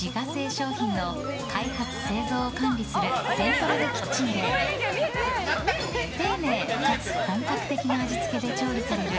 商品の開発・製造を管理するセントラルキッチンで丁寧かつ本格的な味付けで調理される